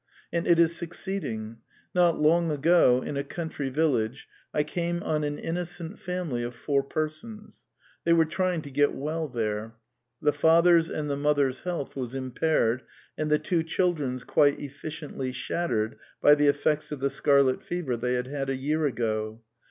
And it is succeeding. ITot long ago, in a country vil lage, I came on an innocent family of four persons. They were trying to get well there. The father's and the mother's health was impaired, and the two children's quite efficiently shattered by the effects of the scarlet fever they had had a year ago.